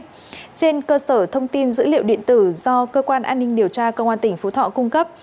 trên cơ sở thông tin dữ liệu điện tử do cơ quan an ninh điều tra công an tỉnh phú thọ cung cấp